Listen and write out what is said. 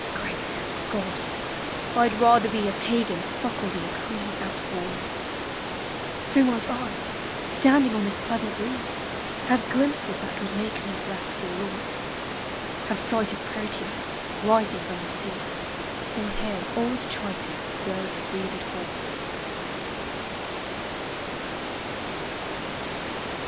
— Greal <Jod! I M rather be A Pagan suckled in a creed outworn, So might I, standing on this pleasant lea. Have glimpses that would make me less forlorn; Have sight of Proteus rising from (lie sea, Or hear old Triton blow his wreathed horn.